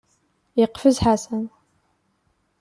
Yeqfez Ḥasan.